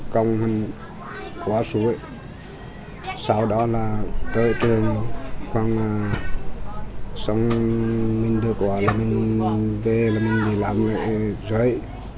công hành quá suốt sau đó là tới trường xong mình đưa cô ăn mình về là mình làm dậy